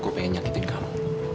aku ingin menyakitkan kamu